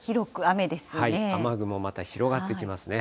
雨雲、また広がってきますね。